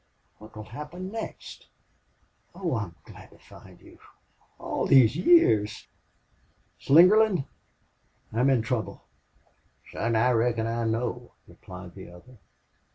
What will happen next?... Oh, I'm glad to find you!... All these years! Slingerland, I'm in trouble!" "Son, I reckon I know," replied the other.